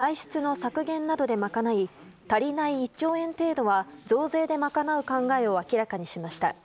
まず歳出の削減などで賄い足りない１兆円程度は増税で賄う考えを明らかにしました。